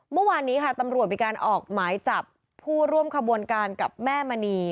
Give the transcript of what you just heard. เมื่อวานนี้ค่ะตำรวจมีการออกหมายจับผู้ร่วมขบวนการกับแม่มณี